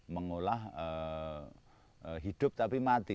mengolah hidup tapi mati